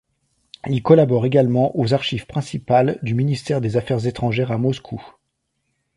Il collabore également aux Archives principales du Ministère des Affaires étrangères à Moscou.